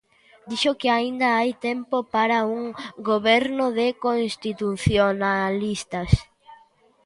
Dixo que aínda hai tempo para un goberno de constitucionalistas.